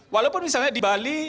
walaupun misalnya di bali